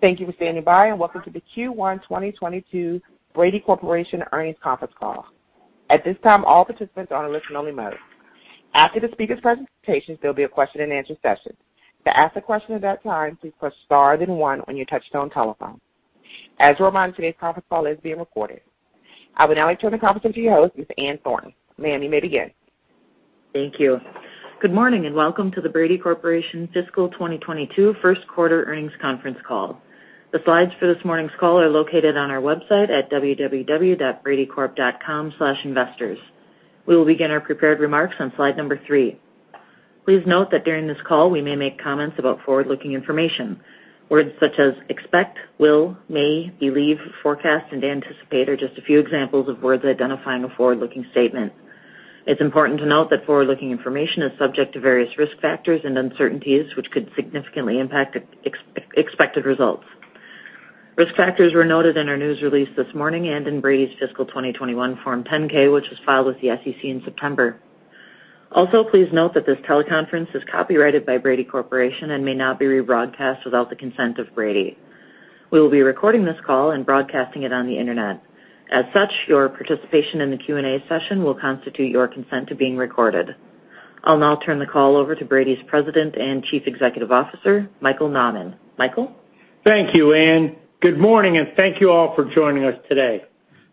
Thank you for standing by, and welcome to the Q1 2022 Brady Corporation Earnings Conference Call. At this time, all participants are in listen-only mode. After the speakers' presentations, there'll be a question-and-answer session. To ask a question at that time, please press star then one on your touchtone telephone. As a reminder, today's conference call is being recorded. I will now turn the conference over to your host, Ms. Ann Thornton. Ma'am, you may begin. Thank you. Good morning, and welcome to the Brady Corporation Fiscal 2022 first quarter earnings conference call. The slides for this morning's call are located on our website at www.bradycorp.com/investors. We will begin our prepared remarks on slide number three. Please note that during this call, we may make comments about forward-looking information. Words such as expect, will, may, believe, forecast, and anticipate are just a few examples of words identifying a forward-looking statement. It's important to note that forward-looking information is subject to various risk factors and uncertainties, which could significantly impact expected results. Risk factors were noted in our news release this morning and in Brady's fiscal 2021 Form 10-K, which was filed with the SEC in September. Also, please note that this teleconference is copyrighted by Brady Corporation and may not be rebroadcast without the consent of Brady. We will be recording this call and broadcasting it on the Internet. As such, your participation in the Q&A session will constitute your consent to being recorded. I'll now turn the call over to Brady's President and Chief Executive Officer, Michael Nauman. Michael? Thank you, Ann. Good morning, and thank you all for joining us today.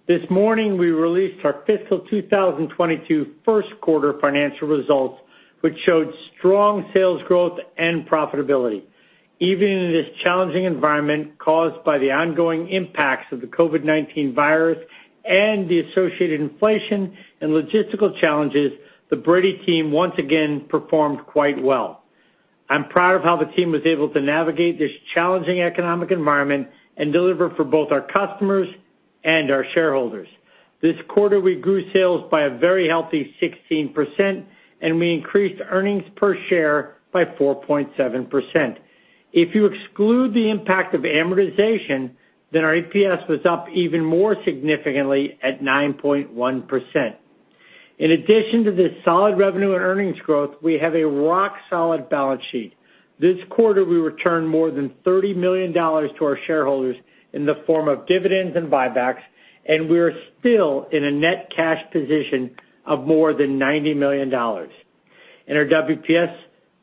This morning, we released our fiscal 2022 first quarter financial results, which showed strong sales growth and profitability. Even in this challenging environment caused by the ongoing impacts of the COVID-19 virus and the associated inflation and logistical challenges, the Brady team once again performed quite well. I'm proud of how the team was able to navigate this challenging economic environment and deliver for both our customers and our shareholders. This quarter, we grew sales by a very healthy 16%, and we increased earnings per share by 4.7%. If you exclude the impact of amortization, then our EPS was up even more significantly at 9.1%. In addition to the solid revenue and earnings growth, we have a rock-solid balance sheet. This quarter, we returned more than $30 million to our shareholders in the form of dividends and buybacks, and we're still in a net cash position of more than $90 million. In our WPS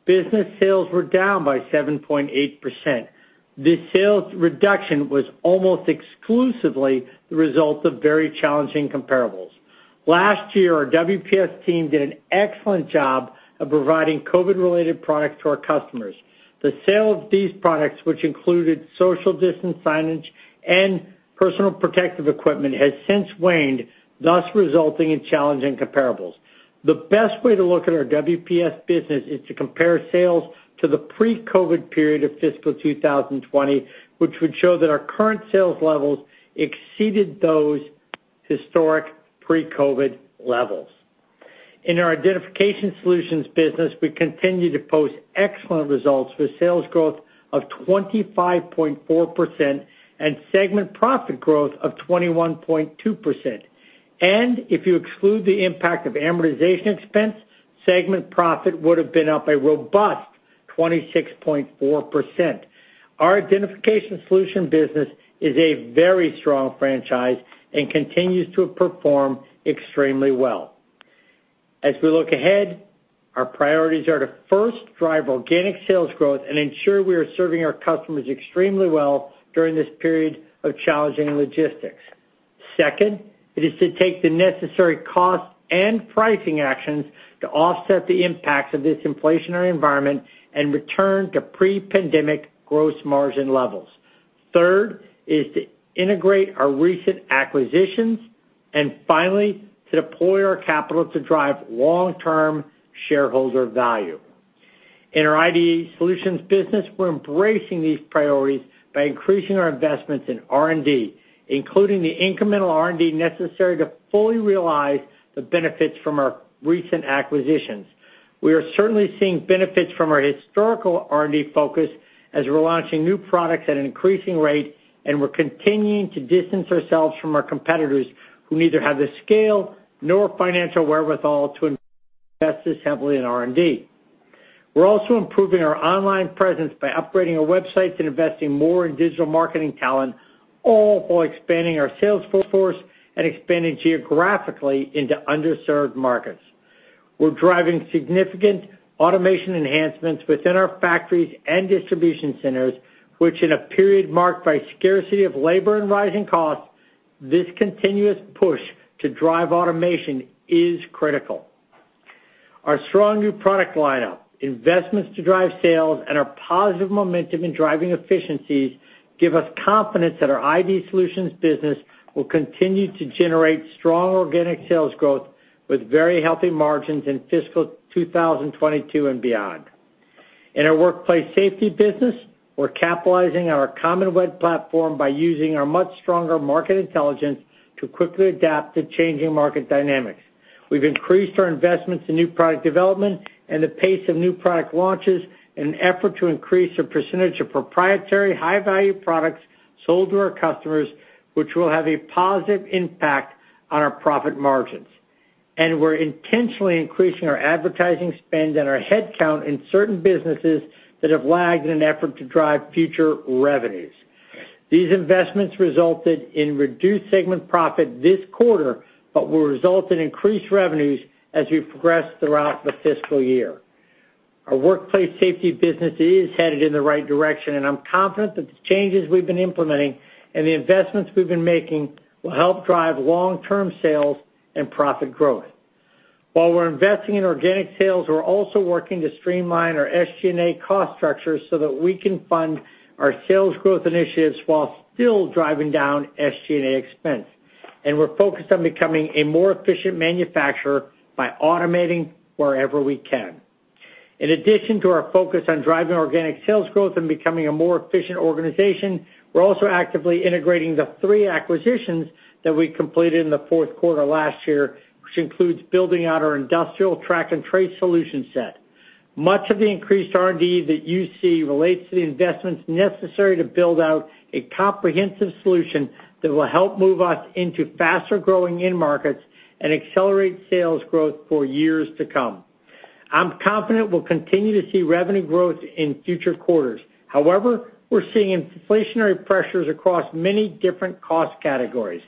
business, sales were down by 7.8%. This sales reduction was almost exclusively the result of very challenging comparables. Last year, our WPS team did an excellent job of providing COVID-related products to our customers. The sale of these products, which included social distance signage and personal protective equipment, has since waned, thus resulting in challenging comparables. The best way to look at our WPS business is to compare sales to the pre-COVID period of fiscal 2020, which would show that our current sales levels exceeded those historic pre-COVID levels. In our Identification Solutions business, we continue to post excellent results with sales growth of 25.4% and segment profit growth of 21.2%. If you exclude the impact of amortization expense, segment profit would have been up a robust 26.4%. Our Identification Solutions business is a very strong franchise and continues to perform extremely well. As we look ahead, our priorities are to, first, drive organic sales growth and ensure we are serving our customers extremely well during this period of challenging logistics. Second is to take the necessary cost and pricing actions to offset the impacts of this inflationary environment and return to pre-pandemic gross margin levels. Third is to integrate our recent acquisitions. Finally, to deploy our capital to drive long-term shareholder value. In our ID Solutions business, we're embracing these priorities by increasing our investments in R&D, including the incremental R&D necessary to fully realize the benefits from our recent acquisitions. We are certainly seeing benefits from our historical R&D focus as we're launching new products at an increasing rate, and we're continuing to distance ourselves from our competitors who neither have the scale nor financial wherewithal to invest as heavily in R&D. We're also improving our online presence by upgrading our websites and investing more in digital marketing talent, all while expanding our sales force and expanding geographically into underserved markets. We're driving significant automation enhancements within our factories and distribution centers, which, in a period marked by scarcity of labor and rising costs, this continuous push to drive automation is critical. Our strong new product lineup, investments to drive sales, and our positive momentum in driving efficiencies give us confidence that our ID Solutions business will continue to generate strong organic sales growth with very healthy margins in fiscal 2022 and beyond. In our Workplace Safety business, we're capitalizing our Common Web Platform by using our much stronger market intelligence to quickly adapt to changing market dynamics. We've increased our investments in new product development and the pace of new product launches in an effort to increase the percentage of proprietary high-value products sold to our customers, which will have a positive impact on our profit margins. We're intentionally increasing our advertising spend and our headcount in certain businesses that have lagged in an effort to drive future revenues. These investments resulted in reduced segment profit this quarter, but will result in increased revenues as we progress throughout the fiscal year. Our Workplace Safety business is headed in the right direction, and I'm confident that the changes we've been implementing and the investments we've been making will help drive long-term sales and profit growth. While we're investing in organic sales, we're also working to streamline our SG&A cost structure so that we can fund our sales growth initiatives while still driving down SG&A expense. We're focused on becoming a more efficient manufacturer by automating wherever we can. In addition to our focus on driving organic sales growth and becoming a more efficient organization, we're also actively integrating the three acquisitions that we completed in the fourth quarter last year, which includes building out our industrial track and trace solution set. Much of the increased R&D that you see relates to the investments necessary to build out a comprehensive solution that will help move us into faster-growing end markets and accelerate sales growth for years to come. I'm confident we'll continue to see revenue growth in future quarters. However, we're seeing inflationary pressures across many different cost categories,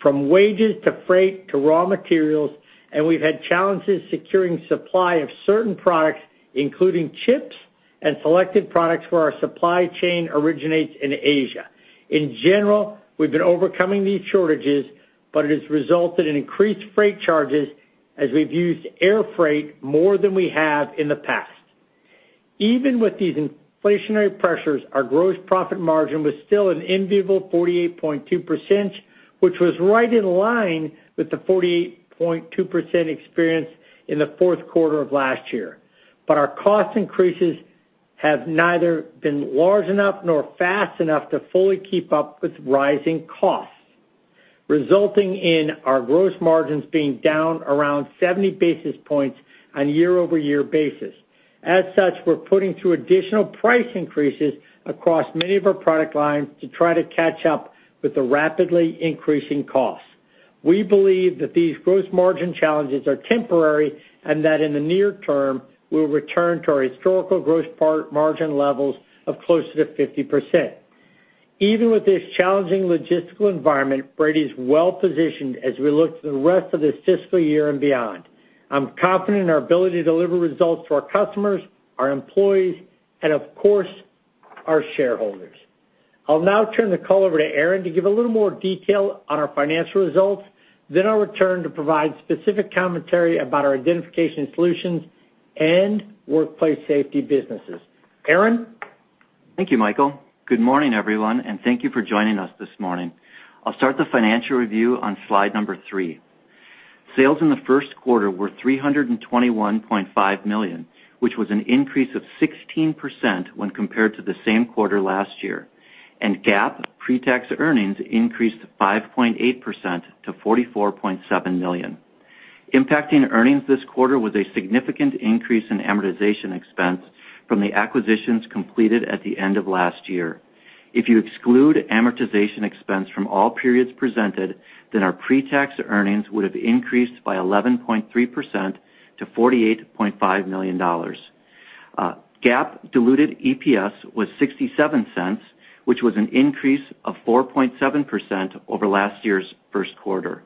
from wages to freight to raw materials, and we've had challenges securing supply of certain products, including chips and selected products where our supply chain originates in Asia. In general, we've been overcoming these shortages, but it has resulted in increased freight charges as we've used air freight more than we have in the past. Even with these inflationary pressures, our gross profit margin was still an enviable 48.2%, which was right in line with the 48.2% experienced in the fourth quarter of last year. Our cost increases have neither been large enough nor fast enough to fully keep up with rising costs, resulting in our gross margins being down around 70 basis points on a year-over-year basis. As such, we're putting through additional price increases across many of our product lines to try to catch up with the rapidly increasing costs. We believe that these gross margin challenges are temporary and that in the near term, we'll return to our historical gross margin levels of closer to 50%. Even with this challenging logistical environment, Brady is well-positioned as we look to the rest of this fiscal year and beyond. I'm confident in our ability to deliver results to our customers, our employees, and of course, our shareholders. I'll now turn the call over to Aaron to give a little more detail on our financial results. I'll return to provide specific commentary about our Identification Solutions and Workplace Safety businesses. Aaron? Thank you, Michael. Good morning, everyone, and thank you for joining us this morning. I'll start the financial review on slide 3. Sales in the first quarter were $321.5 million, which was an increase of 16% when compared to the same quarter last year. GAAP pre-tax earnings increased 5.8% to $44.7 million. Impacting earnings this quarter was a significant increase in amortization expense from the acquisitions completed at the end of last year. If you exclude amortization expense from all periods presented, then our pre-tax earnings would have increased by 11.3% to $48.5 million. GAAP diluted EPS was $0.67, which was an increase of 4.7% over last year's first quarter.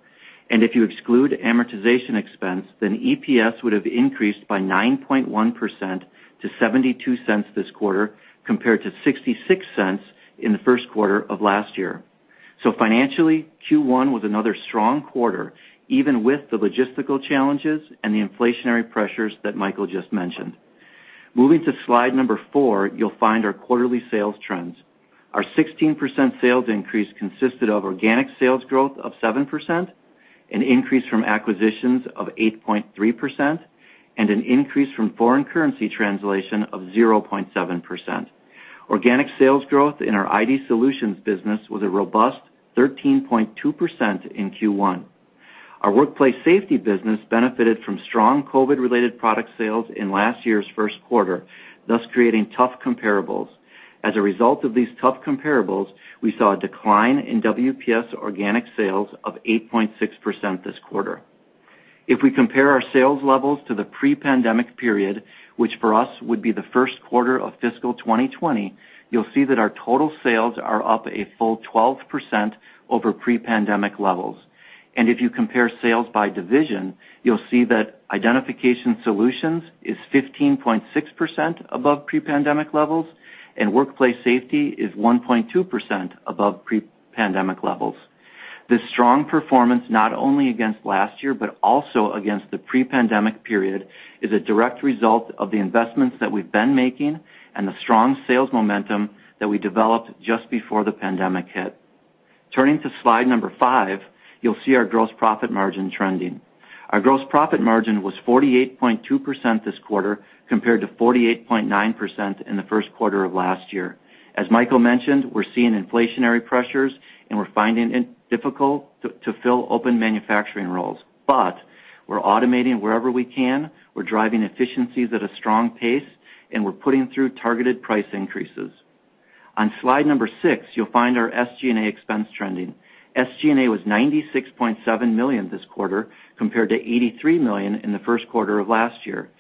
If you exclude amortization expense, then EPS would have increased by 9.1% to $0.72 this quarter, compared to $0.66 in the first quarter of last year. Financially, Q1 was another strong quarter, even with the logistical challenges and the inflationary pressures that Michael just mentioned. Moving to slide 4, you'll find our quarterly sales trends. Our 16% sales increase consisted of organic sales growth of 7%, an increase from acquisitions of 8.3%, and an increase from foreign currency translation of 0.7%. Organic sales growth in our ID Solutions business was a robust 13.2% in Q1. Our Workplace Safety business benefited from strong COVID-related product sales in last year's first quarter, thus creating tough comparables. As a result of these tough comparables, we saw a decline in WPS organic sales of 8.6% this quarter. If we compare our sales levels to the pre-pandemic period, which for us would be the first quarter of fiscal 2020, you'll see that our total sales are up a full 12% over pre-pandemic levels. If you compare sales by division, you'll see that Identification Solutions is 15.6% above pre-pandemic levels, and Workplace Safety is 1.2% above pre-pandemic levels. This strong performance not only against last year but also against the pre-pandemic period is a direct result of the investments that we've been making and the strong sales momentum that we developed just before the pandemic hit. Turning to slide 5, you'll see our gross profit margin trending. Our gross profit margin was 48.2% this quarter, compared to 48.9% in the first quarter of last year. As Michael mentioned, we're seeing inflationary pressures, and we're finding it difficult to fill open manufacturing roles. We're automating wherever we can, we're driving efficiencies at a strong pace, and we're putting through targeted price increases. On slide 6, you'll find our SG&A expense trending. SG&A was $96.7 million this quarter, compared to $83 million in the first quarter of last year.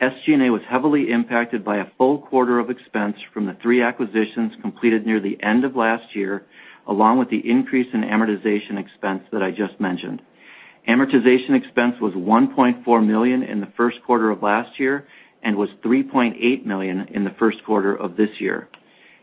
SG&A was heavily impacted by a full quarter of expense from the three acquisitions completed near the end of last year, along with the increase in amortization expense that I just mentioned. Amortization expense was $1.4 million in the first quarter of last year and was $3.8 million in the first quarter of this year.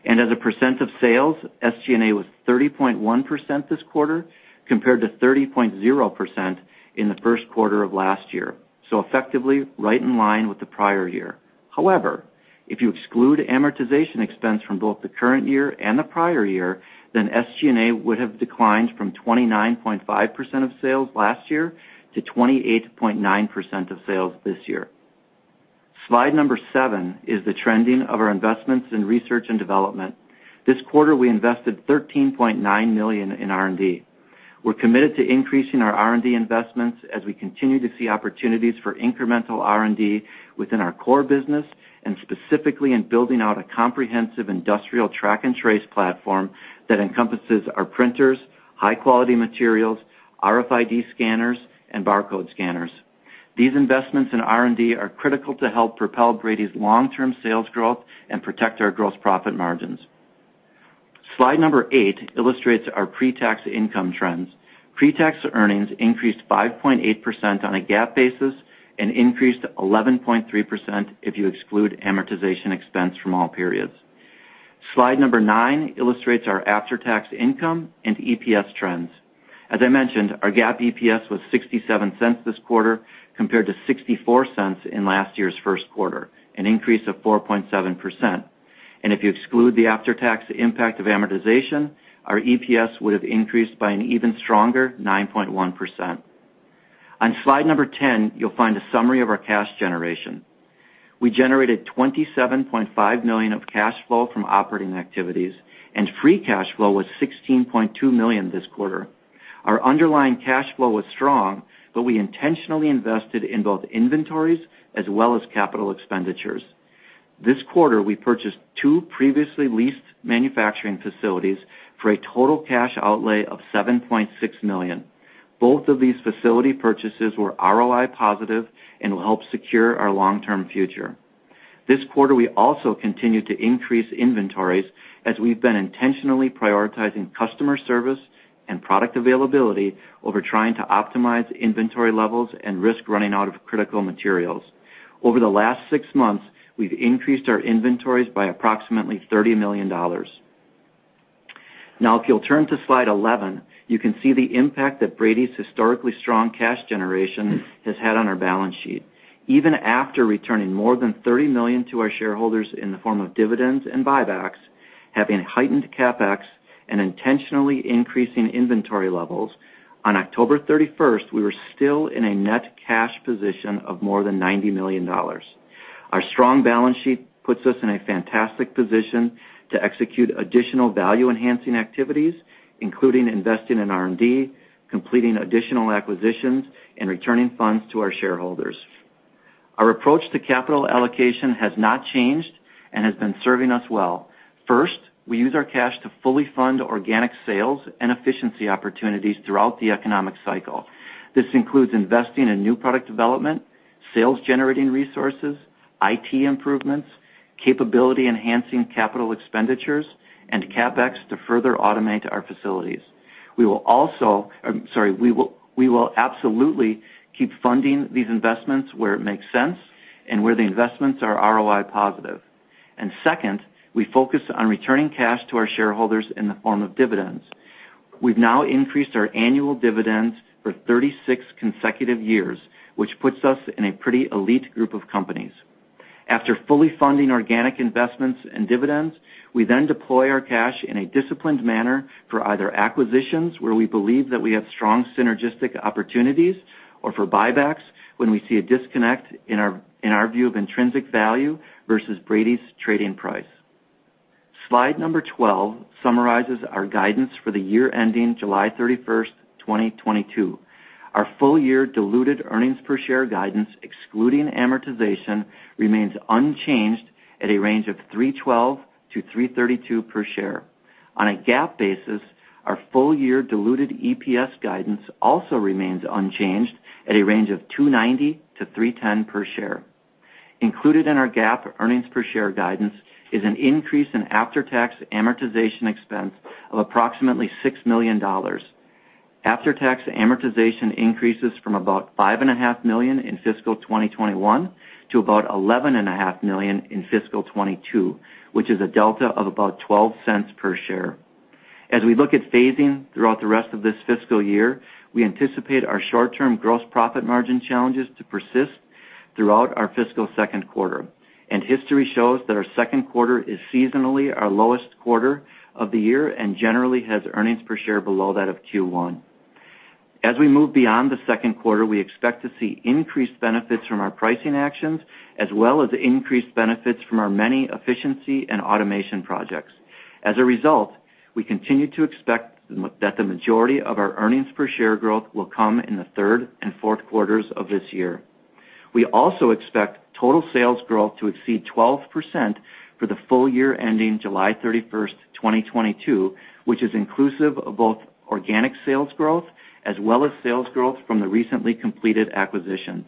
As a percent of sales, SG&A was 30.1% this quarter, compared to 30.0% in the first quarter of last year. Effectively, right in line with the prior year. However, if you exclude amortization expense from both the current year and the prior year, then SG&A would have declined from 29.5% of sales last year to 28.9% of sales this year. Slide 7 is the trending of our investments in research and development. This quarter, we invested $13.9 million in R&D. We're committed to increasing our R&D investments as we continue to see opportunities for incremental R&D within our core business and specifically in building out a comprehensive industrial track-and-trace platform that encompasses our printers, high-quality materials, RFID scanners, and barcode scanners. These investments in R&D are critical to help propel Brady's long-term sales growth and protect our gross profit margins. Slide number 8 illustrates our pre-tax income trends. Pre-tax earnings increased 5.8% on a GAAP basis and increased 11.3% if you exclude amortization expense from all periods. Slide number 9 illustrates our after-tax income and EPS trends. As I mentioned, our GAAP EPS was $0.67 this quarter, compared to $0.64 in last year's first quarter, an increase of 4.7%. If you exclude the after-tax impact of amortization, our EPS would have increased by an even stronger 9.1%. On slide number 10, you'll find a summary of our cash generation. We generated $27.5 million of cash flow from operating activities, and free cash flow was $16.2 million this quarter. Our underlying cash flow was strong, but we intentionally invested in both inventories as well as capital expenditures. This quarter, we purchased two previously leased manufacturing facilities for a total cash outlay of $7.6 million. Both of these facility purchases were ROI positive and will help secure our long-term future. This quarter, we also continued to increase inventories as we've been intentionally prioritizing customer service and product availability over trying to optimize inventory levels and risk running out of critical materials. Over the last six months, we've increased our inventories by approximately $30 million. Now, if you'll turn to slide 11, you can see the impact that Brady's historically strong cash generation has had on our balance sheet. Even after returning more than $30 million to our shareholders in the form of dividends and buybacks, having heightened CapEx, and intentionally increasing inventory levels, on October 31, we were still in a net cash position of more than $90 million. Our strong balance sheet puts us in a fantastic position to execute additional value-enhancing activities, including investing in R&D, completing additional acquisitions, and returning funds to our shareholders. Our approach to capital allocation has not changed and has been serving us well. First, we use our cash to fully fund organic sales and efficiency opportunities throughout the economic cycle. This includes investing in new product development, sales-generating resources, IT improvements, capability-enhancing capital expenditures, and CapEx to further automate our facilities. We will absolutely keep funding these investments where it makes sense and where the investments are ROI positive. Second, we focus on returning cash to our shareholders in the form of dividends. We've now increased our annual dividends for 36 consecutive years, which puts us in a pretty elite group of companies. After fully funding organic investments and dividends, we then deploy our cash in a disciplined manner for either acquisitions, where we believe that we have strong synergistic opportunities, or for buybacks, when we see a disconnect in our view of intrinsic value versus Brady's trading price. Slide 12 summarizes our guidance for the year ending July 31, 2022. Our full-year diluted earnings per share guidance, excluding amortization, remains unchanged at a range of 3.12-3.32 per share. On a GAAP basis, our full-year diluted EPS guidance also remains unchanged at a range of 2.90-3.10 per share. Included in our GAAP earnings per share guidance is an increase in after-tax amortization expense of approximately $6 million. After-tax amortization increases from about $5.5 million in fiscal 2021 to about $11.5 million in fiscal 2022, which is a delta of about $0.12 per share. As we look at phasing throughout the rest of this fiscal year, we anticipate our short-term gross profit margin challenges to persist throughout our fiscal second quarter. History shows that our second quarter is seasonally our lowest quarter of the year and generally has earnings per share below that of Q1. As we move beyond the second quarter, we expect to see increased benefits from our pricing actions as well as increased benefits from our many efficiency and automation projects. As a result, we continue to expect that the majority of our earnings per share growth will come in the third and fourth quarters of this year. We also expect total sales growth to exceed 12% for the full year ending July 31, 2022, which is inclusive of both organic sales growth, as well as sales growth from the recently completed acquisitions.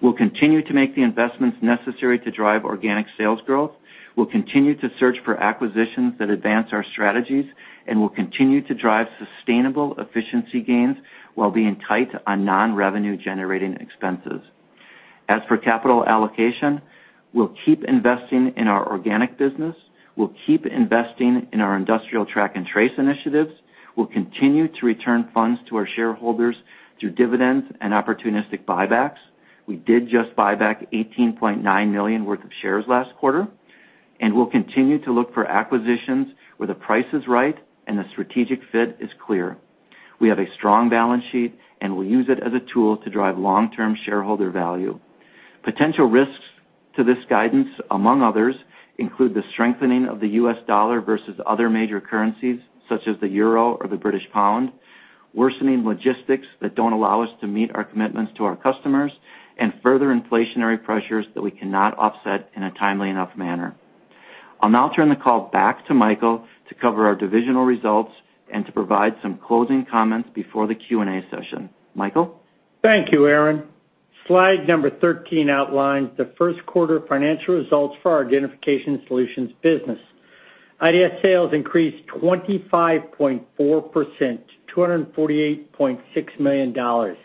We'll continue to make the investments necessary to drive organic sales growth. We'll continue to search for acquisitions that advance our strategies, and we'll continue to drive sustainable efficiency gains while being tight on non-revenue generating expenses. As for capital allocation, we'll keep investing in our organic business, we'll keep investing in our industrial track and trace initiatives, we'll continue to return funds to our shareholders through dividends and opportunistic buybacks. We did just buy back $18.9 million worth of shares last quarter, and we'll continue to look for acquisitions where the price is right and the strategic fit is clear. We have a strong balance sheet, and we'll use it as a tool to drive long-term shareholder value. Potential risks to this guidance, among others, include the strengthening of the U.S. dollar versus other major currencies such as the euro or the British pound, worsening logistics that don't allow us to meet our commitments to our customers, and further inflationary pressures that we cannot offset in a timely enough manner. I'll now turn the call back to Michael to cover our divisional results and to provide some closing comments before the Q&A session. Michael? Thank you, Aaron. Slide 13 outlines the first quarter financial results for our Identification Solutions business. IDS sales increased 25.4% to $248.6 million.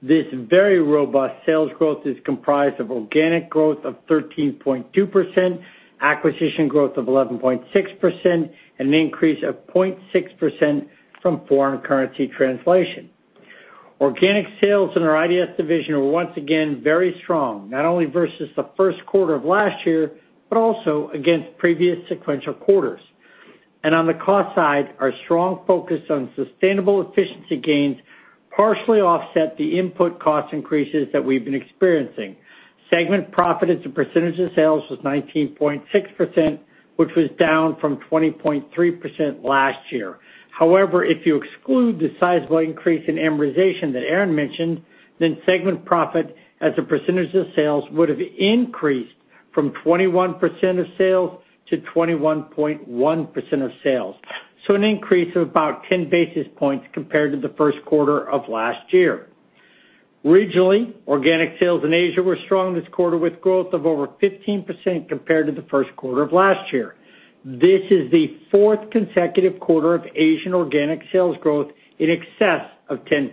This very robust sales growth is comprised of organic growth of 13.2%, acquisition growth of 11.6%, and an increase of 0.6% from foreign currency translation. Organic sales in our IDS division were once again very strong, not only versus the first quarter of last year, but also against previous sequential quarters. On the cost side, our strong focus on sustainable efficiency gains partially offset the input cost increases that we've been experiencing. Segment profit as a percentage of sales was 19.6%, which was down from 20.3% last year. However, if you exclude the sizable increase in amortization that Aaron mentioned, then segment profit as a percentage of sales would have increased from 21% of sales to 21.1% of sales. An increase of about 10 basis points compared to the first quarter of last year. Regionally, organic sales in Asia were strong this quarter, with growth of over 15% compared to the first quarter of last year. This is the fourth consecutive quarter of Asian organic sales growth in excess of 10%.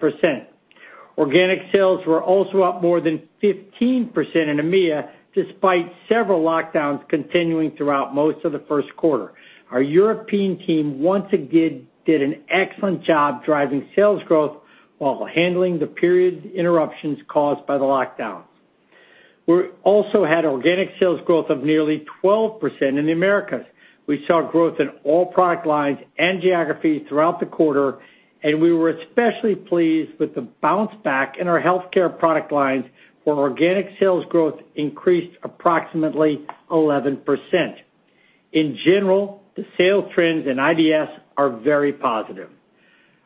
Organic sales were also up more than 15% in EMEA, despite several lockdowns continuing throughout most of the first quarter. Our European team once again did an excellent job driving sales growth while handling the period interruptions caused by the lockdowns. We also had organic sales growth of nearly 12% in the Americas. We saw growth in all product lines and geographies throughout the quarter, and we were especially pleased with the bounce back in our healthcare product lines, where organic sales growth increased approximately 11%. In general, the sales trends in IDS are very positive.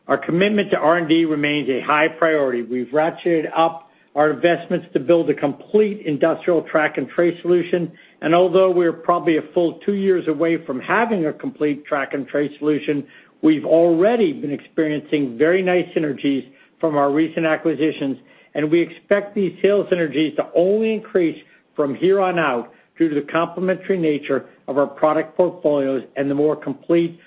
Our commitment to R&D remains a high priority. We've ratcheted up our investments to build a complete industrial track and trace solution, and although we're probably a full two years away from having a complete track and trace solution, we've already been experiencing very nice synergies from our recent acquisitions, and we expect these sales synergies to only increase from here on out due to the complementary nature of our product portfolios and the more complete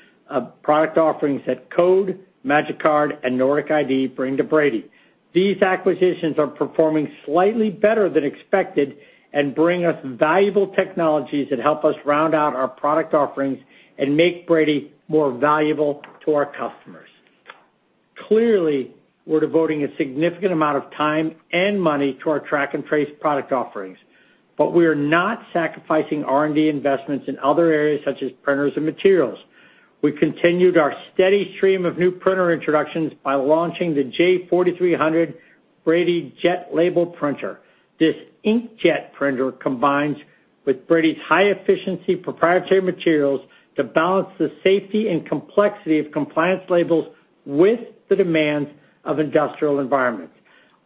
product offerings that Code, Magicard, and Nordic ID bring to Brady. These acquisitions are performing slightly better than expected and bring us valuable technologies that help us round out our product offerings and make Brady more valuable to our customers. Clearly, we're devoting a significant amount of time and money to our track and trace product offerings, but we are not sacrificing R&D investments in other areas such as printers and materials. We continued our steady stream of new printer introductions by launching the J4300 BradyJet labeled printer. This inkjet printer combines with Brady's high-efficiency proprietary materials to balance the safety and complexity of compliance labels with the demands of industrial environments.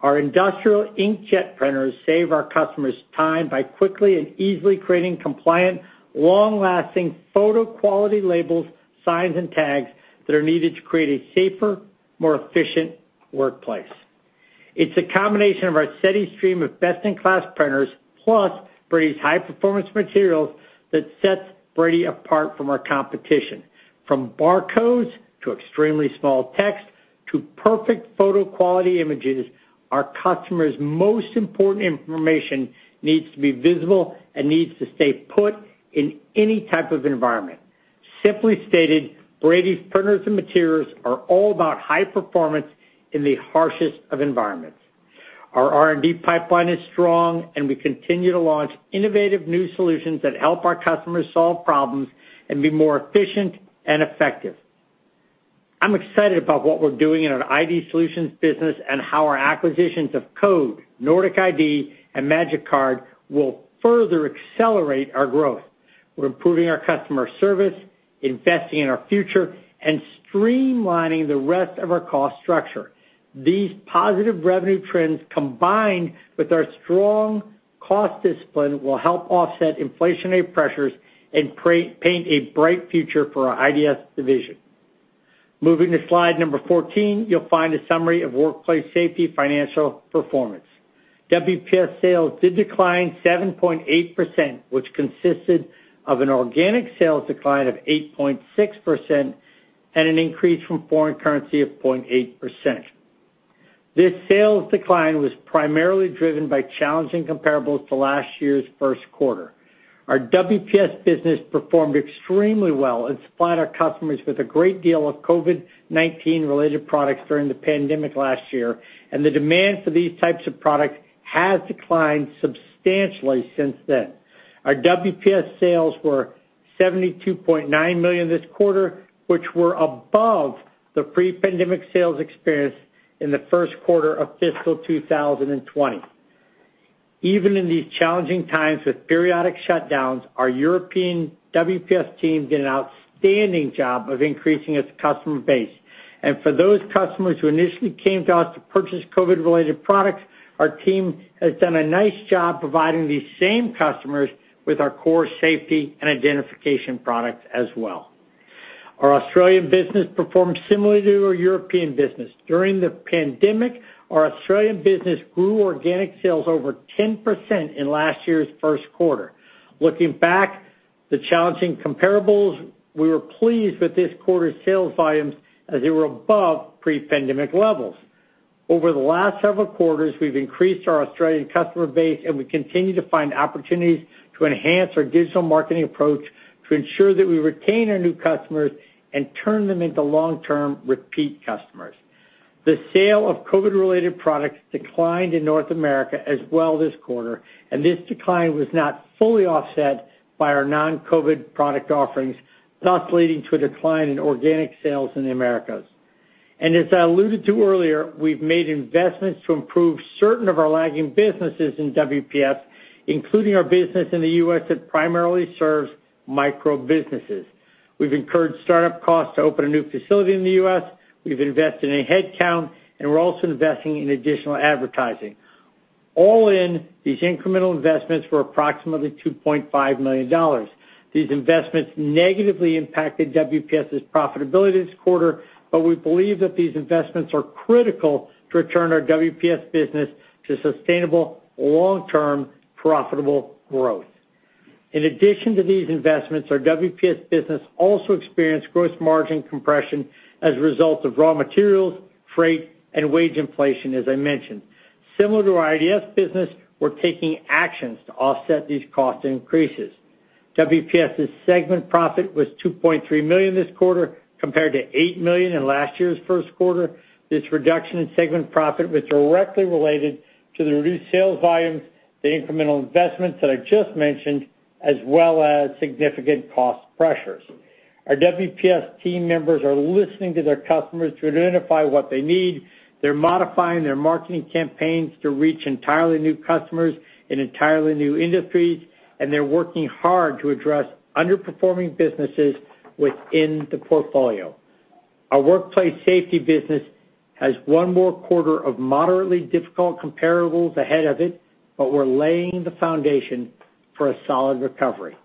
Our industrial inkjet printers save our customers time by quickly and easily creating compliant, long-lasting photo quality labels, signs, and tags that are needed to create a safer, more efficient workplace. It's a combination of our steady stream of best-in-class printers, plus Brady's high-performance materials that sets Brady apart from our competition. From barcodes to extremely small text to perfect photo quality images, our customers' most important information needs to be visible and needs to stay put in any type of environment. Simply stated, Brady's printers and materials are all about high performance in the harshest of environments. Our R&D pipeline is strong, and we continue to launch innovative new solutions that help our customers solve problems and be more efficient and effective. I'm excited about what we're doing in our ID Solutions business and how our acquisitions of Code, Nordic ID, and Magicard will further accelerate our growth. We're improving our customer service, investing in our future, and streamlining the rest of our cost structure. These positive revenue trends, combined with our strong cost discipline, will help offset inflationary pressures and paint a bright future for our IDS division. Moving to slide 14, you'll find a summary of Workplace Safety financial performance. WPS sales did decline 7.8%, which consisted of an organic sales decline of 8.6% and an increase from foreign currency of 0.8%. This sales decline was primarily driven by challenging comparables to last year's first quarter. Our WPS business performed extremely well and supplied our customers with a great deal of COVID-19-related products during the pandemic last year, and the demand for these types of products has declined substantially since then. Our WPS sales were $72.9 million this quarter, which were above the pre-pandemic sales experience in the first quarter of fiscal 2020. Even in these challenging times with periodic shutdowns, our European WPS team did an outstanding job of increasing its customer base. For those customers who initially came to us to purchase COVID-related products, our team has done a nice job providing these same customers with our core safety and identification products as well. Our Australian business performed similarly to our European business. During the pandemic, our Australian business grew organic sales over 10% in last year's first quarter. Looking back at the challenging comparables, we were pleased with this quarter's sales volumes as they were above pre-pandemic levels. Over the last several quarters, we've increased our Australian customer base, and we continue to find opportunities to enhance our digital marketing approach to ensure that we retain our new customers and turn them into long-term repeat customers. The sale of COVID-related products declined in North America as well this quarter, and this decline was not fully offset by our non-COVID product offerings, thus leading to a decline in organic sales in the Americas. As I alluded to earlier, we've made investments to improve certain of our lagging businesses in WPS, including our business in the U.S. that primarily serves micro-businesses. We've incurred startup costs to open a new facility in the U.S., we've invested in headcount, and we're also investing in additional advertising. All in, these incremental investments were approximately $2.5 million. These investments negatively impacted WPS' profitability this quarter, but we believe that these investments are critical to return our WPS business to sustainable, long-term, profitable growth. In addition to these investments, our WPS business also experienced gross margin compression as a result of raw materials, freight, and wage inflation, as I mentioned. Similar to our IDS business, we're taking actions to offset these cost increases. WPS' segment profit was $2.3 million this quarter, compared to $8 million in last year's first quarter. This reduction in segment profit was directly related to the reduced sales volumes, the incremental investments that I just mentioned, as well as significant cost pressures. Our WPS team members are listening to their customers to identify what they need. They're modifying their marketing campaigns to reach entirely new customers in entirely new industries, and they're working hard to address underperforming businesses within the portfolio. Our Workplace Safety business has one more quarter of moderately difficult comparables ahead of it, but we're laying the foundation for a solid recovery.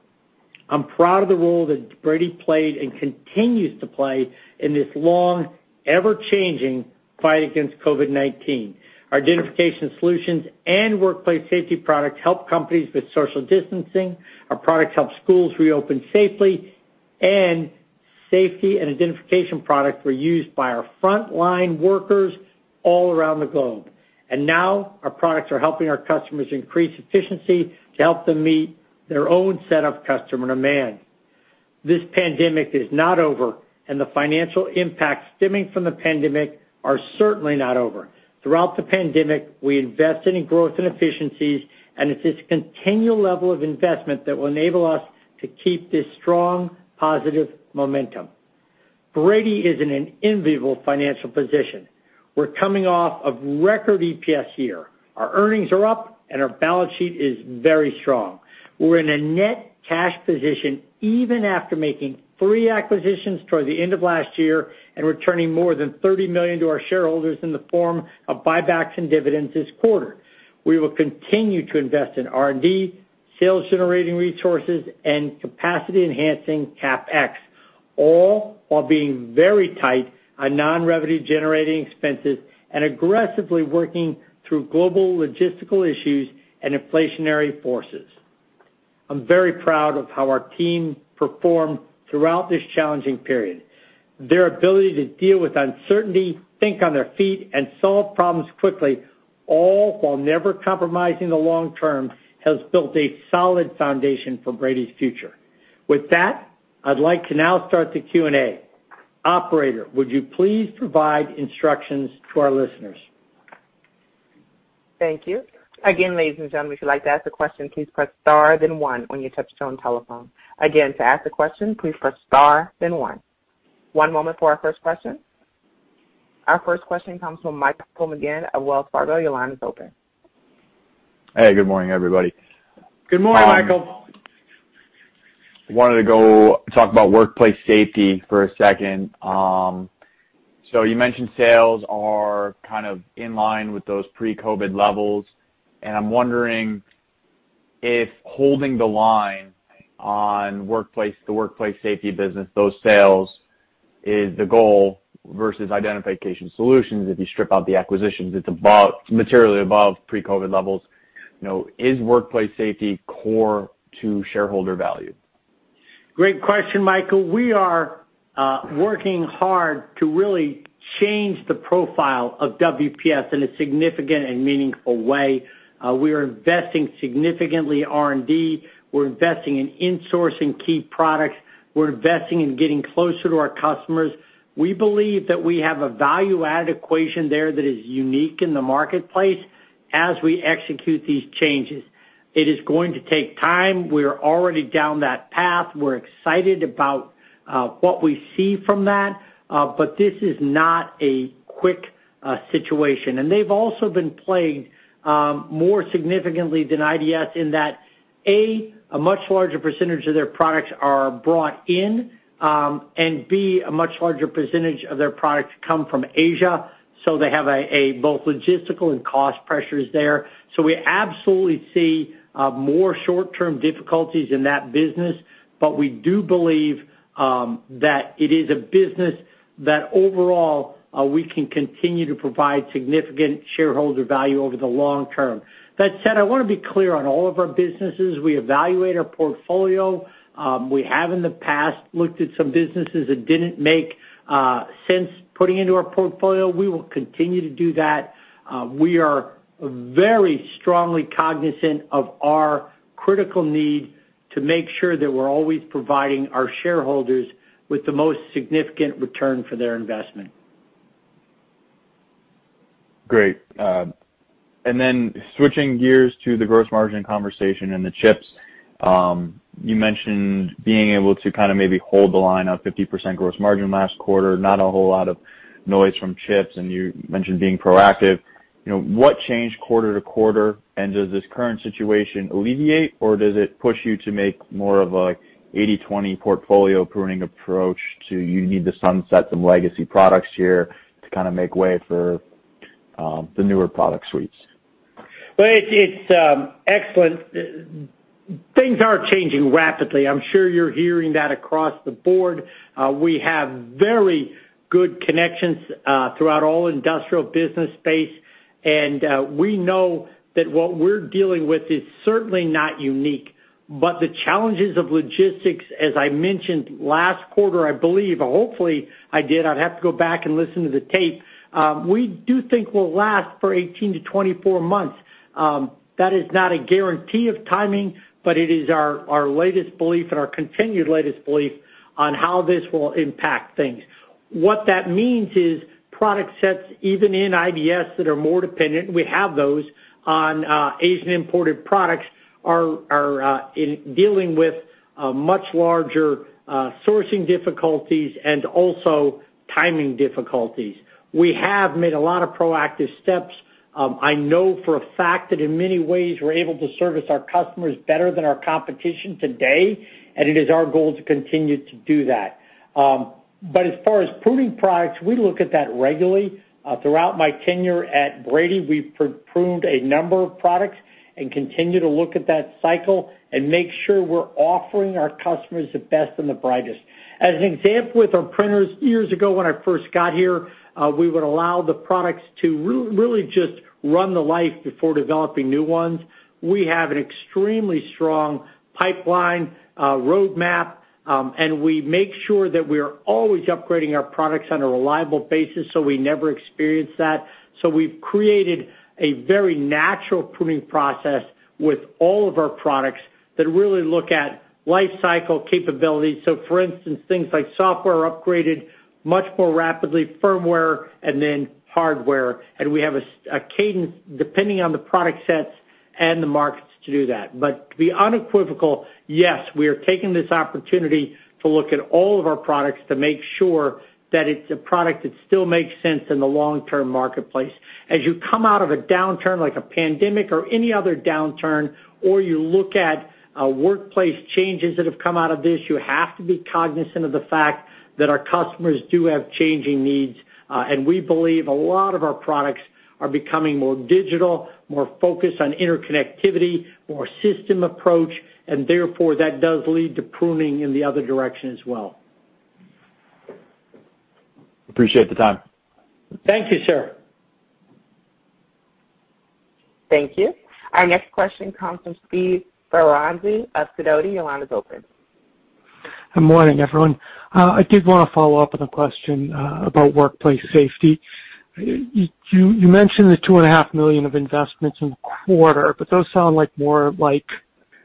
I'm proud of the role that Brady played and continues to play in this long, ever-changing fight against COVID-19. Our Identification Solutions and Workplace Safety products help companies with social distancing, our products help schools reopen safely, and safety and identification products were used by our frontline workers all around the globe. Now our products are helping our customers increase efficiency to help them meet their own set of customer demand. This pandemic is not over, and the financial impacts stemming from the pandemic are certainly not over. Throughout the pandemic, we invested in growth and efficiencies, and it's this continual level of investment that will enable us to keep this strong, positive momentum. Brady is in an enviable financial position. We're coming off a record EPS year. Our earnings are up, and our balance sheet is very strong. We're in a net cash position even after making three acquisitions toward the end of last year and returning more than $30 million to our shareholders in the form of buybacks and dividends this quarter. We will continue to invest in R&D, sales-generating resources, and capacity-enhancing CapEx, all while being very tight on non-revenue-generating expenses and aggressively working through global logistical issues and inflationary forces. I'm very proud of how our team performed throughout this challenging period. Their ability to deal with uncertainty, think on their feet, and solve problems quickly, all while never compromising the long term, has built a solid foundation for Brady's future. With that, I'd like to now start the Q&A. Operator, would you please provide instructions to our listeners? Our first question comes from Michael McGinn of Wells Fargo. Your line is open. Hey, good morning, everybody. Good morning, Michael. Wanted to go talk about Workplace Safety for a second. So you mentioned sales are kind of in line with those pre-COVID levels, and I'm wondering if holding the line on workplace, the Workplace Safety business, those sales is the goal versus Identification Solutions. If you strip out the acquisitions, it's above, materially above pre-COVID levels. You know, is Workplace Safety core to shareholder value? Great question, Michael. We are working hard to really change the profile of WPS in a significant and meaningful way. We are investing significantly in R&D. We're investing in insourcing key products. We're investing in getting closer to our customers. We believe that we have a value-add equation there that is unique in the marketplace as we execute these changes. It is going to take time. We are already down that path. We're excited about what we see from that, but this is not a quick situation. They've also been plagued more significantly than IDS in that, A, a much larger percentage of their products are brought in, and B, a much larger percentage of their products come from Asia, so they have both logistical and cost pressures there. We absolutely see more short-term difficulties in that business, but we do believe that it is a business that overall we can continue to provide significant shareholder value over the long term. That said, I wanna be clear on all of our businesses. We evaluate our portfolio. We have in the past looked at some businesses that didn't make sense putting into our portfolio. We will continue to do that. We are very strongly cognizant of our critical need to make sure that we're always providing our shareholders with the most significant return for their investment. Great. Switching gears to the gross margin conversation and the chips, you mentioned being able to kind of maybe hold the line on 50% gross margin last quarter, not a whole lot of noise from chips, and you mentioned being proactive. You know, what changed quarter to quarter, and does this current situation alleviate, or does it push you to make more of a 80/20 portfolio pruning approach? Do you need to sunset some legacy products here to kind of make way for the newer product suites? Well, it's excellent. Things are changing rapidly. I'm sure you're hearing that across the board. We have very good connections throughout all industrial business space, and we know that what we're dealing with is certainly not unique. The challenges of logistics, as I mentioned last quarter, I believe, or hopefully I did, I'd have to go back and listen to the tape, we do think will last for 18 months-24 months. That is not a guarantee of timing, but it is our latest belief and our continued latest belief on how this will impact things. What that means is product sets, even in IDS that are more dependent, we have those on Asian imported products are in dealing with much larger sourcing difficulties and also timing difficulties. We have made a lot of proactive steps. I know for a fact that in many ways, we're able to service our customers better than our competition today, and it is our goal to continue to do that. As far as pruning products, we look at that regularly. Throughout my tenure at Brady, we've pruned a number of products and continue to look at that cycle and make sure we're offering our customers the best and the brightest. As an example with our printers, years ago when I first got here, we would allow the products to really just run the life before developing new ones. We have an extremely strong pipeline, roadmap, and we make sure that we are always upgrading our products on a reliable basis, so we never experience that. We've created a very natural pruning process with all of our products that really look at life cycle capabilities. For instance, things like software upgraded much more rapidly, firmware and then hardware. We have a cadence depending on the product sets and the markets to do that. To be unequivocal, yes, we are taking this opportunity to look at all of our products to make sure that it's a product that still makes sense in the long-term marketplace. As you come out of a downturn like a pandemic or any other downturn, or you look at, workplace changes that have come out of this, you have to be cognizant of the fact that our customers do have changing needs. We believe a lot of our products are becoming more digital, more focused on interconnectivity, more system approach, and therefore, that does lead to pruning in the other direction as well. Appreciate the time. Thank you, sir. Thank you. Our next question comes from Steve Ferazani of Sidoti. Your line is open. Good morning, everyone. I did wanna follow up on a question about Workplace Safety. You mentioned the $2.5 million of investments in the quarter, but those sound like more like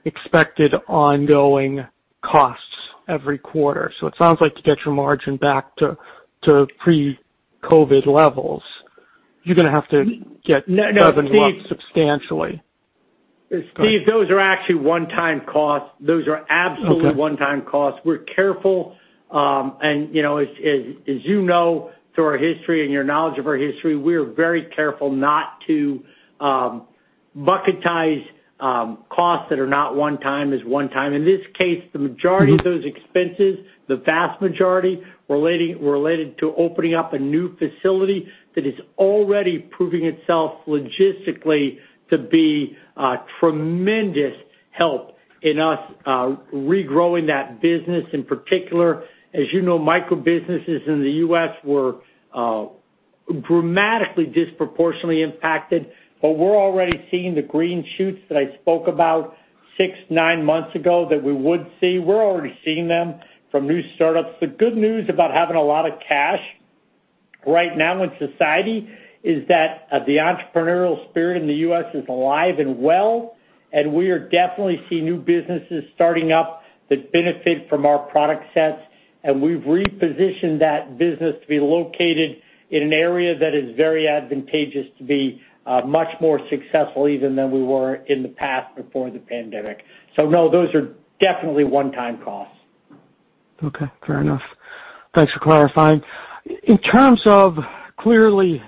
expected ongoing costs every quarter. It sounds like to get your margin back to pre-COVID levels, you're gonna have to get- No, Steve. Revenue up substantially. Steve, those are actually one-time costs. Those are absolutely one-time costs. We're careful, and you know, as you know, through our history and your knowledge of our history, we are very careful not to bucketize costs that are not one-time as one-time. In this case, the majority of those expenses, the vast majority related to opening up a new facility that is already proving itself logistically to be a tremendous help in us regrowing that business. In particular, as you know, micro-businesses in the U.S. were dramatically disproportionately impacted, but we're already seeing the green shoots that I spoke about 6, 9 months ago that we would see. We're already seeing them from new startups. The good news about having a lot of cash right now in society is that, the entrepreneurial spirit in the U.S. is alive and well, and we are definitely seeing new businesses starting up that benefit from our product sets. We've repositioned that business to be located in an area that is very advantageous to be much more successful even than we were in the past before the pandemic. No, those are definitely one-time costs. Okay. Fair enough. Thanks for clarifying. In terms of clearly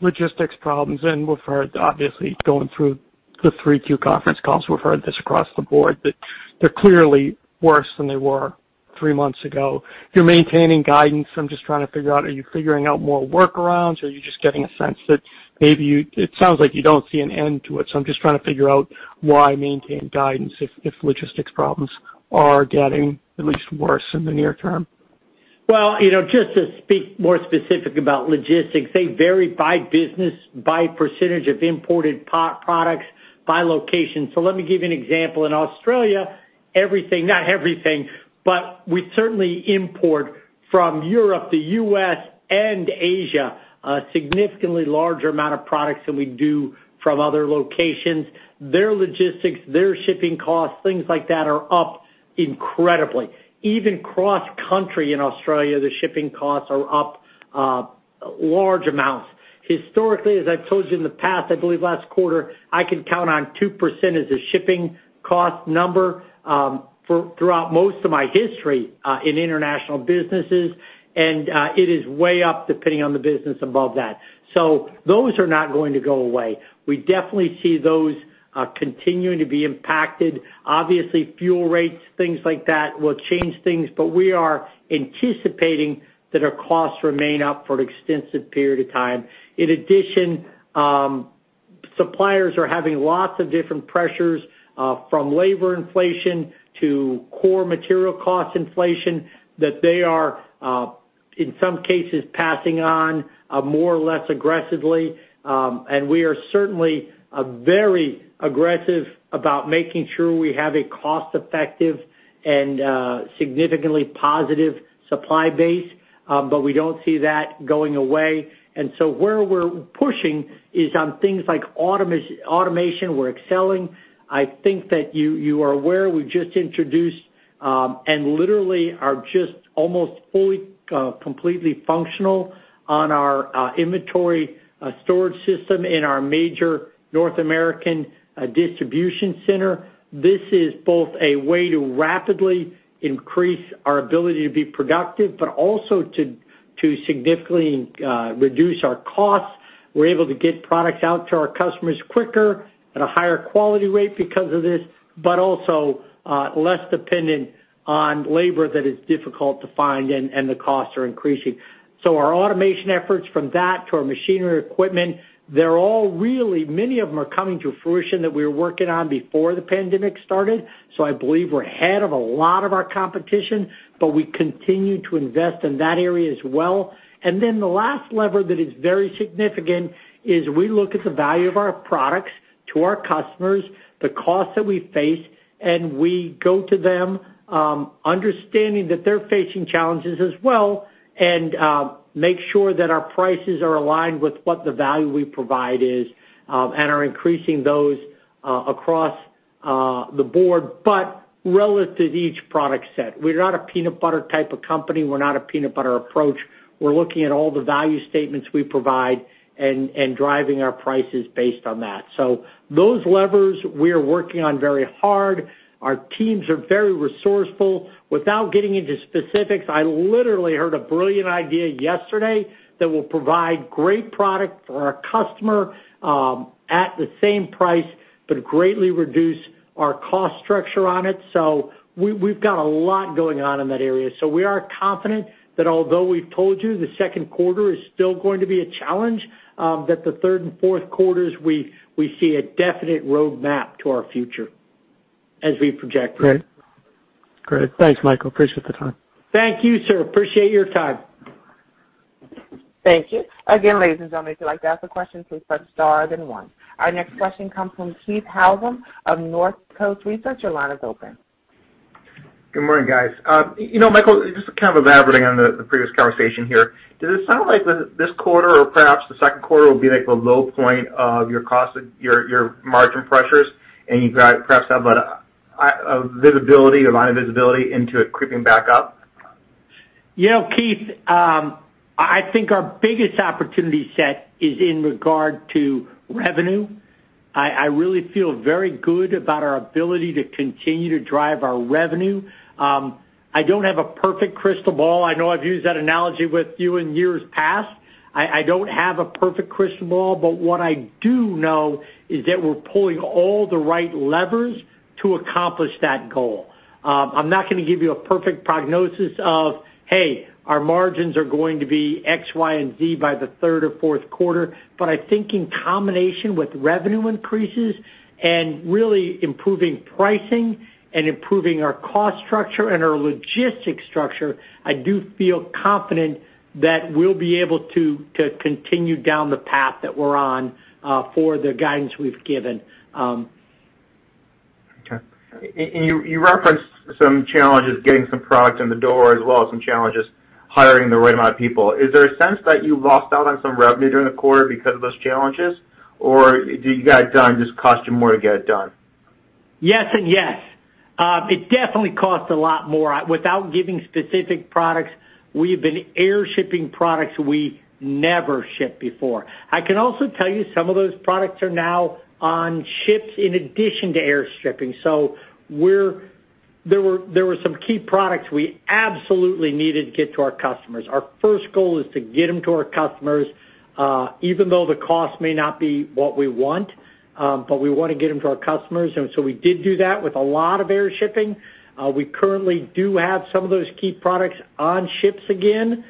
logistics problems, we've heard, obviously, going through the 3Q conference calls, we've heard this across the board, that they're clearly worse than they were 3 months ago. You're maintaining guidance. I'm just trying to figure out, are you figuring out more workarounds, or are you just getting a sense that maybe you. It sounds like you don't see an end to it, so I'm just trying to figure out why maintain guidance if logistics problems are getting at least worse in the near term. Well, you know, just to speak more specific about logistics, they vary by business, by percentage of imported products, by location. Let me give you an example. In Australia, everything, not everything, but we certainly import from Europe, the U.S., and Asia, a significantly larger amount of products than we do from other locations. Their logistics, their shipping costs, things like that are up incredibly. Even cross-country in Australia, the shipping costs are up large amounts. Historically, as I've told you in the past, I believe last quarter, I can count on 2% as a shipping cost number throughout most of my history in international businesses, and it is way up, depending on the business above that. Those are not going to go away. We definitely see those continuing to be impacted. Obviously, fuel rates, things like that will change things, but we are anticipating that our costs remain up for an extensive period of time. In addition, suppliers are having lots of different pressures from labor inflation to core material cost inflation that they are in some cases passing on more or less aggressively. We are certainly very aggressive about making sure we have a cost-effective and significantly positive supply base, but we don't see that going away. Where we're pushing is on things like automation. We're excelling. I think that you are aware we've just introduced and literally are just almost fully completely functional on our inventory storage system in our major North American distribution center. This is both a way to rapidly increase our ability to be productive, but also to significantly reduce our costs. We're able to get products out to our customers quicker at a higher quality rate because of this, but also less dependent on labor that is difficult to find and the costs are increasing. Our automation efforts from that to our machinery equipment, they're all really. Many of them are coming to fruition that we were working on before the pandemic started. I believe we're ahead of a lot of our competition, but we continue to invest in that area as well. The last lever that is very significant is we look at the value of our products to our customers, the costs that we face, and we go to them, understanding that they're facing challenges as well and make sure that our prices are aligned with what the value we provide is, and are increasing those across the board, but relative to each product set. We're not a peanut butter type of company. We're not a peanut butter approach. We're looking at all the value statements we provide and driving our prices based on that. Those levers we are working on very hard. Our teams are very resourceful. Without getting into specifics, I literally heard a brilliant idea yesterday that will provide great product for our customer at the same price, but greatly reduce our cost structure on it. We've got a lot going on in that area. We are confident that although we've told you the second quarter is still going to be a challenge, that the third and fourth quarters, we see a definite roadmap to our future as we project. Great. Thanks, Michael. I appreciate the time. Thank you, sir. I appreciate your time. Our next question comes from Keith Housum of Northcoast Research. Your line is open. Good morning, guys. You know, Michael, just kind of elaborating on the previous conversation here. Does it sound like this quarter or perhaps the second quarter will be like the low point of your cost, your margin pressures, and perhaps have a visibility, a line of visibility into it creeping back up? You know, Keith, I think our biggest opportunity set is in regard to revenue. I really feel very good about our ability to continue to drive our revenue. I don't have a perfect crystal ball. I know I've used that analogy with you in years past. I don't have a perfect crystal ball, but what I do know is that we're pulling all the right levers to accomplish that goal. I'm not gonna give you a perfect prognosis of, hey, our margins are going to be X, Y, and Z by the third or fourth quarter. I think in combination with revenue increases and really improving pricing and improving our cost structure and our logistics structure, I do feel confident that we'll be able to continue down the path that we're on for the guidance we've given. Okay. You referenced some challenges getting some product in the door, as well as some challenges hiring the right amount of people. Is there a sense that you lost out on some revenue during the quarter because of those challenges? Or do you got it done, just cost you more to get it done? Yes and yes. It definitely cost a lot more. Without giving specific products, we have been air shipping products we never shipped before. I can also tell you some of those products are now on ships in addition to air shipping. There were some key products we absolutely needed to get to our customers. Our first goal is to get them to our customers, even though the cost may not be what we want, but we wanna get them to our customers. We did do that with a lot of air shipping. We currently do have some of those key products on ships again,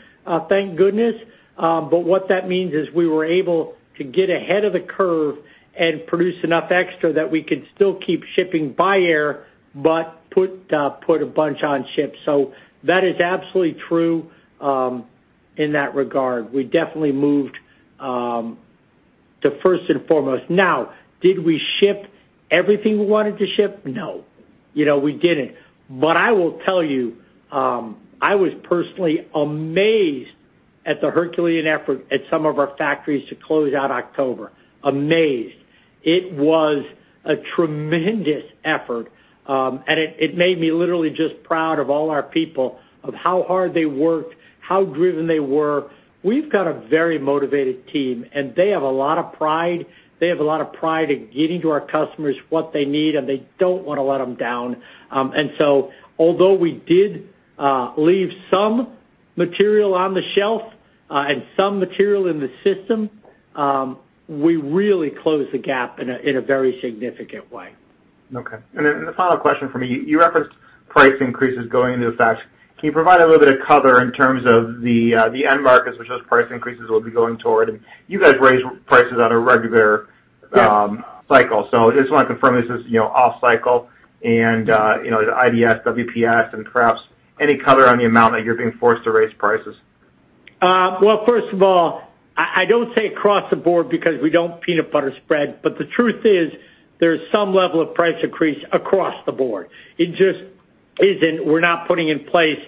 thank goodness. What that means is we were able to get ahead of the curve and produce enough extra that we could still keep shipping by air but put a bunch on ships. That is absolutely true in that regard. We definitely moved the first and foremost. Now, did we ship everything we wanted to ship? No. You know, we didn't. I will tell you, I was personally amazed at the Herculean effort at some of our factories to close out October. Amazed. It was a tremendous effort, and it made me literally just proud of all our people, of how hard they worked, how driven they were. We've got a very motivated team, and they have a lot of pride. They have a lot of pride in getting to our customers what they need, and they don't wanna let them down. Although we did leave some material on the shelf, and some material in the system, we really closed the gap in a very significant way. Okay. Then the final question from me, you referenced price increases going into effect. Can you provide a little bit of color in terms of the end markets, which those price increases will be going toward? You guys raise prices on a regular cycle. I just wanna confirm this is, you know, off cycle and, you know, the IDS, WPS, and perhaps any color on the amount that you're being forced to raise prices. I don't say across the board because we don't peanut butter spread, but the truth is there's some level of price increase across the board. It just isn't. We're not putting in place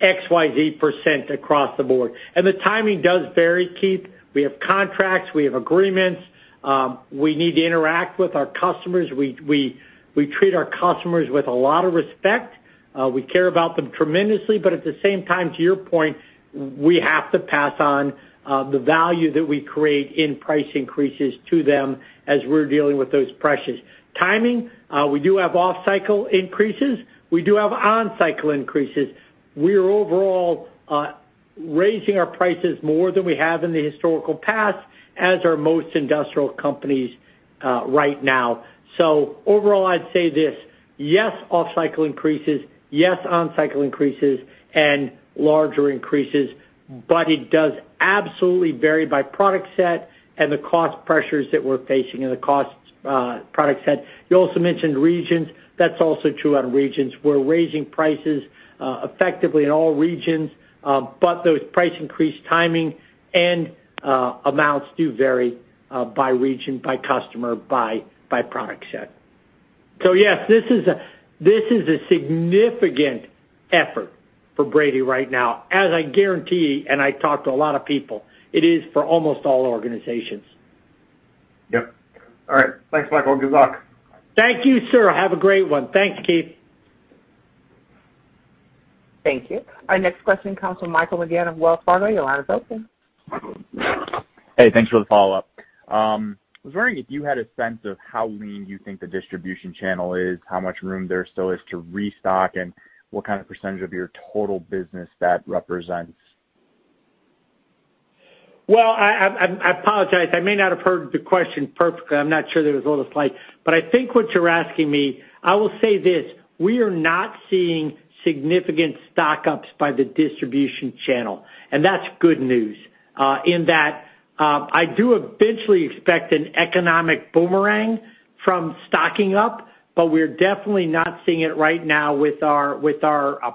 X, Y, Z percent across the board. The timing does vary, Keith. We have contracts. We have agreements. We need to interact with our customers. We treat our customers with a lot of respect. We care about them tremendously, but at the same time, to your point, we have to pass on the value that we create in price increases to them as we're dealing with those pressures. The timing, we do have off-cycle increases. We do have on-cycle increases. We're overall raising our prices more than we have in the historical past, as are most industrial companies right now. Overall, I'd say this: Yes, off-cycle increases, yes, on-cycle increases and larger increases, but it does absolutely vary by product set and the cost pressures that we're facing and the cost, product set. You also mentioned regions. That's also true on regions. We're raising prices, effectively in all regions, but those price increase timing and amounts do vary, by region, by customer, by product set. Yes, this is a significant effort for Brady right now, as I guarantee, and I talk to a lot of people, it is for almost all organizations. Yep. All right. Thanks, Michael. Good luck. Thank you, sir. Have a great one. Thanks, Keith. Thank you. Our next question comes from Michael McGinn of Wells Fargo. Your line is open. Hey, thanks for the follow-up. I was wondering if you had a sense of how lean you think the distribution channel is, how much room there still is to restock, and what kind of percentage of your total business that represents. Well, I apologize. I may not have heard the question perfectly. I'm not sure there was a little slight. I think what you're asking me, I will say this, we are not seeing significant stock-ups by the distribution channel, and that's good news, in that, I do eventually expect an economic boomerang from stocking up, but we're definitely not seeing it right now with our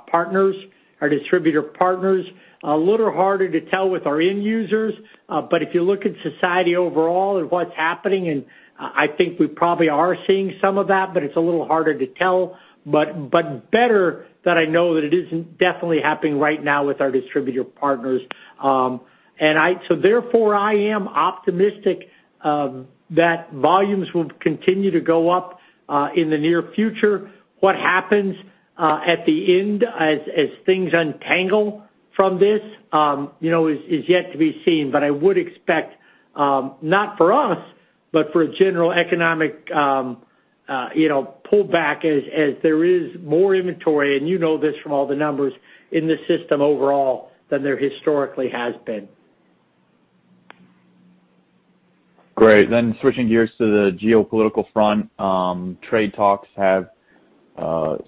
partners, our distributor partners. A little harder to tell with our end users, but if you look at society overall and what's happening, and I think we probably are seeing some of that, but it's a little harder to tell. Better that I know that it isn't definitely happening right now with our distributor partners. Therefore, I am optimistic that volumes will continue to go up in the near future. What happens at the end as things untangle? From this, you know, is yet to be seen, but I would expect not for us, but for a general economic pullback as there is more inventory, and you know this from all the numbers in the system overall than there historically has been. Great. Switching gears to the geopolitical front, trade talks have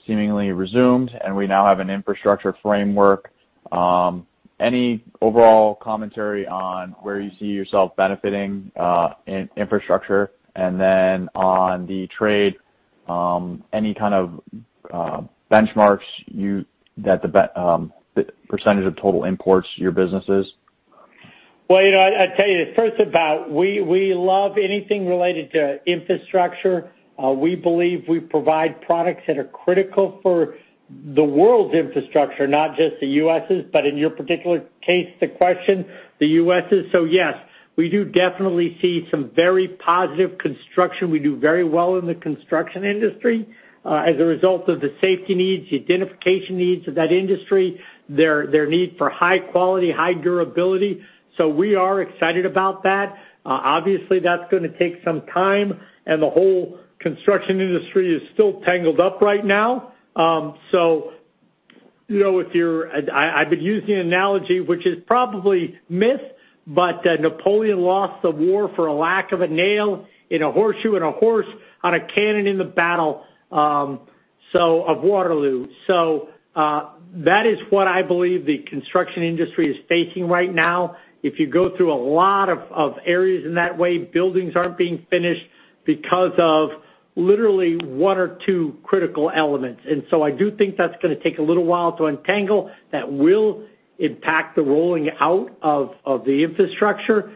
seemingly resumed, and we now have an infrastructure framework. Any overall commentary on where you see yourself benefiting in infrastructure and then on the trade, any kind of benchmarks, the percentage of total imports to your businesses? Well, you know, I tell you, first off we love anything related to infrastructure. We believe we provide products that are critical for the world's infrastructure, not just the U.S.'s, but in your particular case, the question, the U.S.'s. Yes, we do definitely see some very positive construction. We do very well in the construction industry as a result of the safety needs, the identification needs of that industry, their need for high quality, high durability. We are excited about that. Obviously, that's gonna take some time, and the whole construction industry is still tangled up right now. You know, if you're... I've been using the analogy, which is probably myth, but Napoleon lost the war for lack of a nail in a horseshoe and a horse on a cannon in the battle of Waterloo. That is what I believe the construction industry is facing right now. If you go through a lot of areas in that way, buildings aren't being finished because of literally one or two critical elements. I do think that's gonna take a little while to untangle. That will impact the rolling out of the infrastructure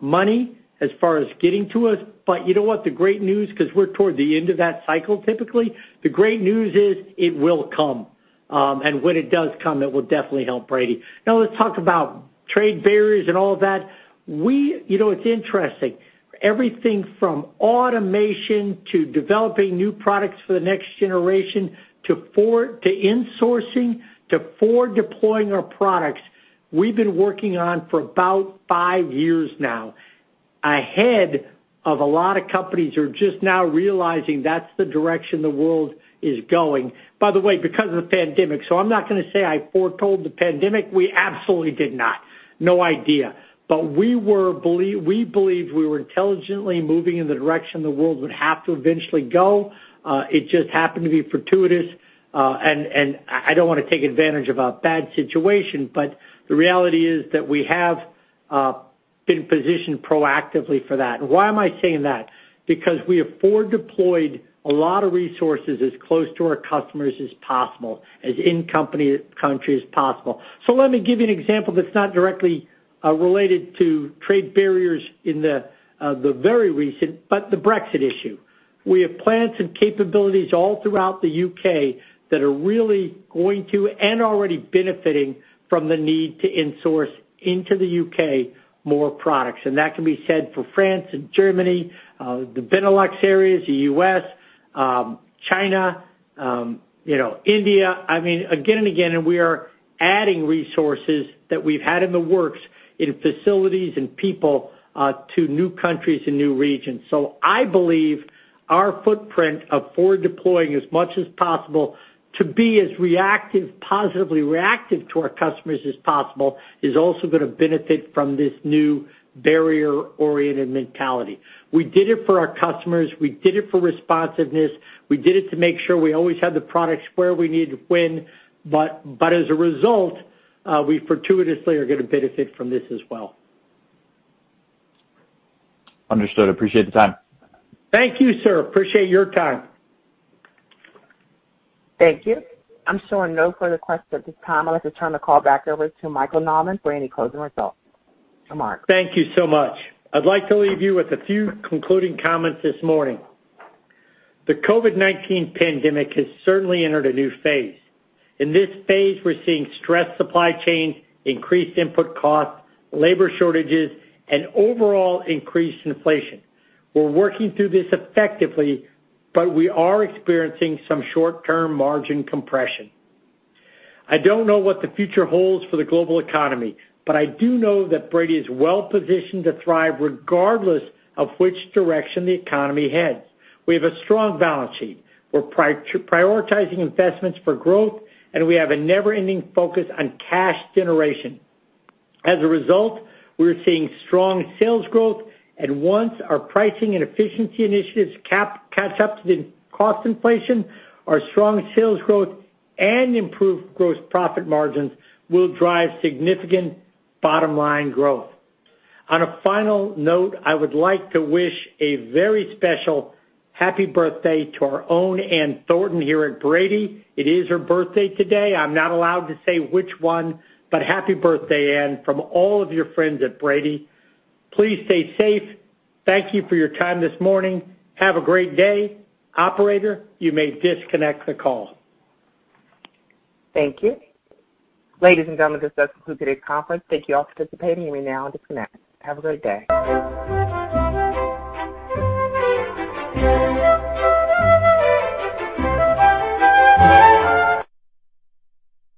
money as far as getting to us. You know what? The great news, 'cause we're toward the end of that cycle, typically, the great news is it will come, and when it does come, it will definitely help Brady. Now let's talk about trade barriers and all of that. You know, it's interesting. Everything from automation to developing new products for the next generation to insourcing to forward deploying our products, we've been working on for about five years now, ahead of a lot of companies who are just now realizing that's the direction the world is going. By the way, because of the pandemic, so I'm not gonna say I foretold the pandemic. We absolutely did not. No idea. But we believed we were intelligently moving in the direction the world would have to eventually go. It just happened to be fortuitous, and I don't wanna take advantage of a bad situation, but the reality is that we have been positioned proactively for that. Why am I saying that? Because we have forward deployed a lot of resources as close to our customers as possible, as in-country as possible. Let me give you an example that's not directly related to trade barriers in the very recent, but the Brexit issue. We have plants and capabilities all throughout the U.K. that are really going to and already benefiting from the need to insource into the U.K. more products. That can be said for France and Germany, the Benelux areas, the U.S., China, you know, India. I mean, again and again, we are adding resources that we've had in the works in facilities and people to new countries and new regions. I believe our footprint of forward deploying as much as possible to be as reactive, positively reactive to our customers as possible is also gonna benefit from this new barrier-oriented mentality. We did it for our customers. We did it for responsiveness. We did it to make sure we always had the products where we need to win. As a result, we fortuitously are gonna benefit from this as well. Understood. I appreciate the time. Thank you, sir. Appreciate your time. Thank you. I'm showing no further questions at this time. I'd like to turn the call back over to Michael Nauman for any closing results. To Mike. Thank you so much. I'd like to leave you with a few concluding comments this morning. The COVID-19 pandemic has certainly entered a new phase. In this phase, we're seeing stressed supply chains, increased input costs, labor shortages, and overall increased inflation. We're working through this effectively, but we are experiencing some short-term margin compression. I don't know what the future holds for the global economy, but I do know that Brady is well positioned to thrive regardless of which direction the economy heads. We have a strong balance sheet. We're prioritizing investments for growth, and we have a never-ending focus on cash generation. As a result, we're seeing strong sales growth, and once our pricing and efficiency initiatives catch up to the cost inflation, our strong sales growth and improved gross profit margins will drive significant bottom-line growth. On a final note, I would like to wish a very special happy birthday to our own Ann Thornton here at Brady. It is her birthday today. I'm not allowed to say which one, but happy birthday, Ann, from all of your friends at Brady. Please stay safe. Thank you for your time this morning. Have a great day. Operator, you may disconnect the call. Thank you. Ladies and gentlemen, this does conclude today's conference. Thank you all for participating. You may now disconnect. Have a great day.